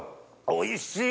おいしい！